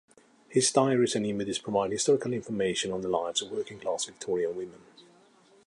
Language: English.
His diaries and images provide historical information on the lives of working-class Victorian women.